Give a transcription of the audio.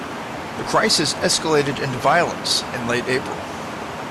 The crisis escalated into violence in late April.